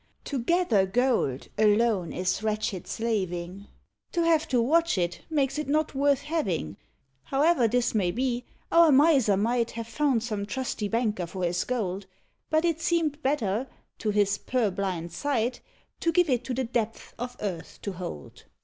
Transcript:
To gather gold alone is wretched slaving; To have to watch it makes it not worth having. However this may be, our Miser might Have found some trusty banker for his gold; But it seemed better, to his purblind sight, To give it to the depths of earth to hold.